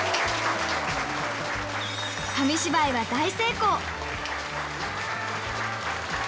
紙芝居は大成功。